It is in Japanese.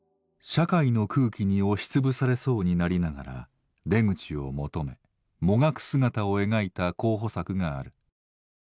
社会の空気に押し潰されそうになりながら出口を求めもがく姿を描いた候補作がある。